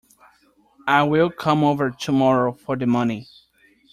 I will come over tomorrow for the money.